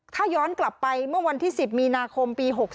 ถ้าย้อนกลับไปเมื่อวันที่๑๐มีนาคมปี๖๓